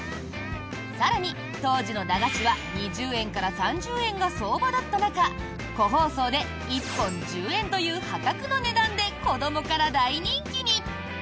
更に、当時の駄菓子は２０円から３０円が相場だった中個包装で１本１０円という破格の値段で子どもから大人気に！